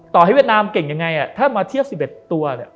ต่อให้เวียดนามเก่งยังไงถ้ามาเทียบ๑๑ตัวเนี่ย